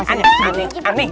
aneh aneh aneh